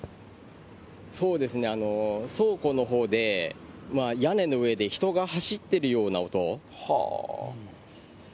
そうですね、倉庫のほうで、屋根の上で人が走ってるような音。